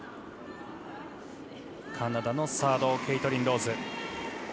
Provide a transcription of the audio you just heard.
カナダのサードケイトリン・ローズ。